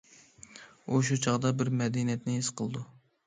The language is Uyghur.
ئۇ شۇ چاغدا بىر مەدەنىيەتنى ھېس قىلىدۇ.